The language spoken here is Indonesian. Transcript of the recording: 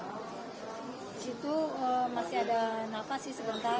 disitu masih ada napas sebentar